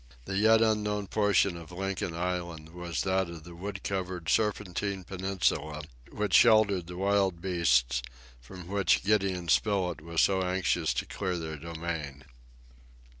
The yet unknown portion of Lincoln Island was that of the wood covered Serpentine Peninsula, which sheltered the wild beasts, from which Gideon Spilett was so anxious to clear their domain.